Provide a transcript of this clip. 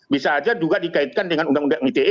bisa saja juga dikaitkan dengan undang undang ite